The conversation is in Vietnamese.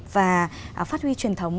và phát huy truyền thống